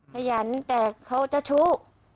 ขยันแต่เขาจะชู้